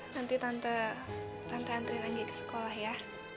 nanti tante nganterin anggi ke sekolah ya